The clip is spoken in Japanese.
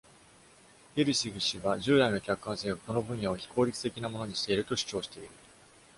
Pirsig 氏は、従来の客観性がこの分野を非効率的なものにしていると主張している。